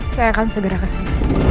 saya akan segera kesana